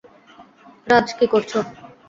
রাজ, কি করছো?